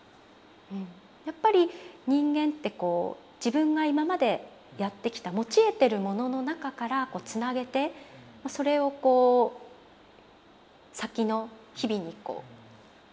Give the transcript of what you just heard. やっぱり人間ってこう自分が今までやってきた持ち得てるものの中からつなげてそれをこう先の日々にこうつなげていきたいと思うんですかね。